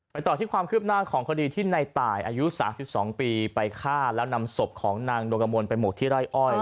ต่อที่ความคืบหน้าของคดีที่ในตายอายุ๓๒ปีไปฆ่าแล้วนำศพของนางดวงกระมวลไปหมกที่ไร่อ้อย